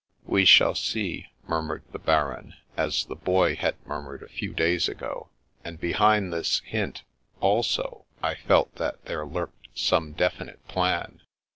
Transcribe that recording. " We shall see," murmured the Baron, as the Boy had murmured a few days ago ; and behind this hint also I felt that there lurked some definite plan.